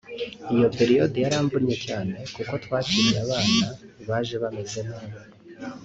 Iyo “Periode” yaramvunnye cyane kuko twakiriye abana bajebameze nabi